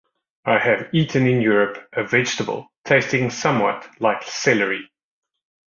I have eaten in Europe a vegetable tasting somewhat like celery.